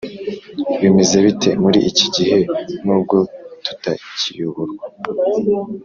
Bimeze bite muri iki gihe Nubwo tutakiyoborwa